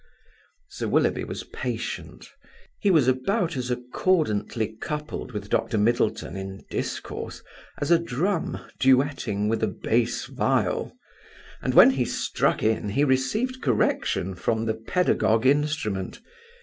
Sir Willoughby was patient. He was about as accordantly coupled with Dr. Middleton in discourse as a drum duetting with a bass viol; and when he struck in he received correction from the paedagogue instrument.